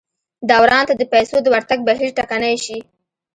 دوران ته د پیسو د ورتګ بهیر ټکنی شي.